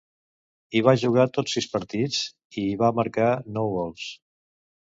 Hi va jugar tots sis partits, i hi va marcar nou gols.